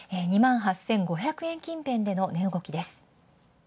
２万８５００円近辺での値動きです。